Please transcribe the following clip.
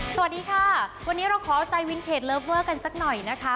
สวัสดีค่ะวันนี้เราขอเอาใจวินเทจเลิฟเวอร์กันสักหน่อยนะคะ